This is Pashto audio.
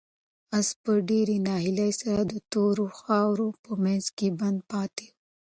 آس په ډېرې ناهیلۍ سره د تورو خاورو په منځ کې بند پاتې و.